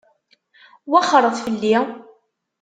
Wexxṛet fell-i!